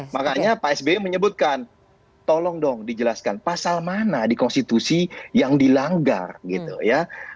makanya pak sby menyebutkan tolong dong dijelaskan pasal mana di konstitusi yang dilanggar gitu ya